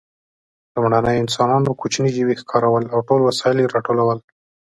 لومړنیو انسانانو کوچني ژوي ښکارول او ټول وسایل یې راټولول.